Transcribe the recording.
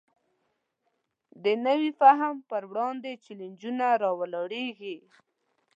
د نوي فهم پر وړاندې چلینجونه راولاړېږي.